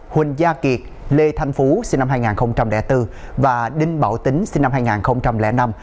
huỳnh gia kiệt lê thanh phú sinh năm hai nghìn bốn và đinh bảo tính sinh năm hai nghìn năm